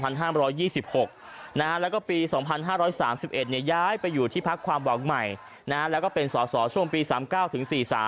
แล้วก็ปี๒๕๓๑ย้ายไปอยู่ที่พักความหวังใหม่แล้วก็เป็นสอสอช่วงปี๓๙ถึง๔๓